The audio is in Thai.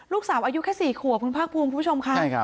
ลูกสาวอายุแค่๔ขวบคุณภาคภูมิคุณผู้ชมค่ะ